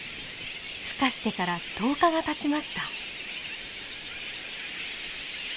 ふ化してから１０日がたちました。